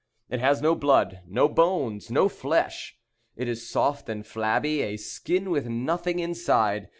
It has no blood, no bones, no flesh. It is soft and flabby; a skin with nothing inside.